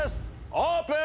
オープン！